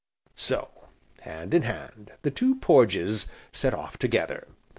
'" So, hand in hand, the two Porges set off together.